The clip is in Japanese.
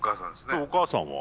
今日お母さんは？